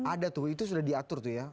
ada tuh itu sudah diatur tuh ya